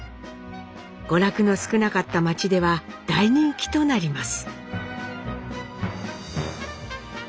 娯楽の少なかった町では大人気となります。